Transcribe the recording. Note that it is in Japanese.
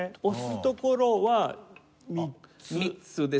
押すところは３つ？